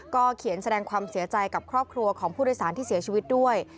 เขียนแสดงความเสียใจกับครอบครัวของผู้โดยสารที่เสียชีวิตด้วย